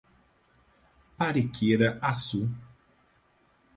Pariquera-Açu